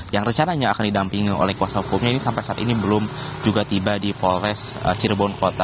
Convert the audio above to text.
yang rencananya akan didampingi oleh kuasa hukumnya ini sampai saat ini belum juga tiba di polres cirebon kota